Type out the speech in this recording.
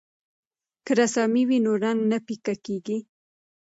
که رسامي وي نو رنګ نه پیکه کیږي.